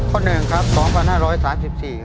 ตัวเลือกที่๑พศ๒๕๓๔